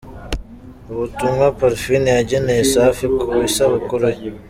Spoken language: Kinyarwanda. Ubutumwa Parfine yageneye Safi ku isabukuru ye.